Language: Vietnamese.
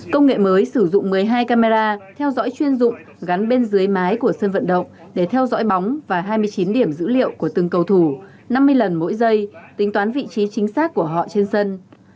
công nghệ mới sử dụng một mươi hai camera theo dõi chuyên dụng gắn bên dưới mái của sân vận động để theo dõi bóng và hai mươi chín điểm dữ liệu của từng cầu thủ năm mươi lần mỗi giây tính toán vị trí chính xác của họ trên sân